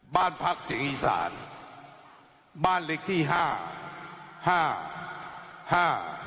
บ้านพักเสียงอีสานบ้านเล็กที่ห้าห้า